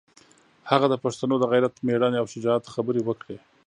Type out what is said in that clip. هغه د پښتنو د غیرت، مېړانې او شجاعت خبرې وکړې.